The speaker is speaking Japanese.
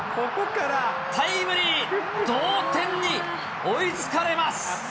タイムリー、同点に追いつかれます。